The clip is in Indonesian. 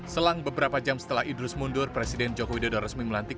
selang beberapa jam setelah idrus mundur presiden joko widodo resmi melantik